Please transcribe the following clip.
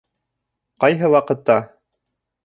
Ҡайһы ваҡытта